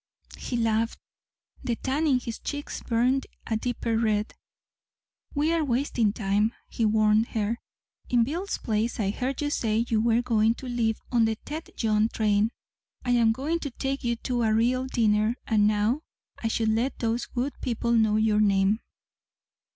He laughed. The tan in his cheeks burned a deeper red. "We are wasting time," he warned her. "In Bill's place I heard you say you were going to leave on the Tête Jaune train. I am going to take you to a real dinner. And now I should let those good people know your name."